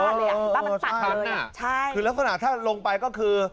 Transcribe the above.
มันตักเลยอ่ะใช่คือลักษณะถ้าลงไปก็คือ